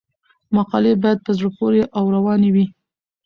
مقالې باید په زړه پورې او روانې وي.